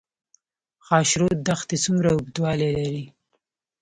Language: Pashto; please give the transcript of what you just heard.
خاشرود دښتې څومره اوږدوالی لري؟